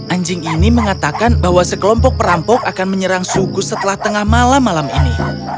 anjing ini mengatakan bahwa sekelompok perampok akan menyerang suku setelah tengah malam malam ini